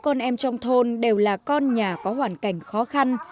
con em trong thôn đều là con nhà có hoàn cảnh khó khăn